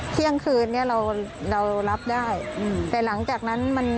เที่ยงคืนนี้เดินแล้วรับได้แต่หลังจากนั้น